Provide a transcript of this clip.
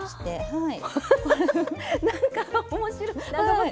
はい。